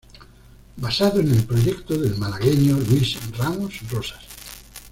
Basado en el proyecto del malagueño Luis Ramos Rosas.